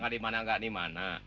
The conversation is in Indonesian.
gak dimana ngak dimana